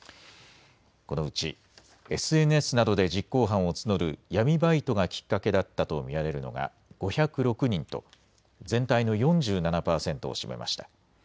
このうちＳＮＳなどで実行犯を募る闇バイトがきっかけだったと見られるのが５０６人と全体の４７％を占めました。